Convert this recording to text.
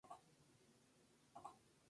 Además de la lengua de señas.